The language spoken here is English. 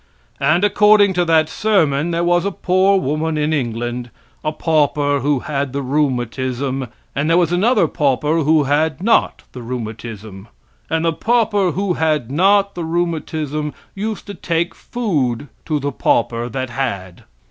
And, according to that sermon, there was a poor woman in England, a pauper who had the rheumatism, and there was another pauper who had not the rheumatism; and the pauper who had not the rheumatism used to take food to the pauper that had.